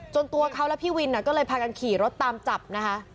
ตัวเขาและพี่วินก็เลยพากันขี่รถตามจับนะคะ